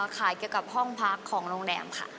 ขายเกี่ยวกับห้องพักของโรงแรมค่ะ